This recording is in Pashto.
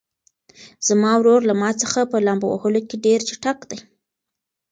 زما ورور له ما څخه په لامبو وهلو کې ډېر چټک دی.